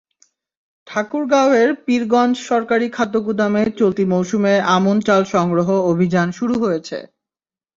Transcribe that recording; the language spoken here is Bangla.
ঠাকুরগাঁওয়ের পীরগঞ্জ সরকারি খাদ্যগুদামে চলতি মৌসুমে আমন চাল সংগ্রহ অভিযান শুরু হয়েছে।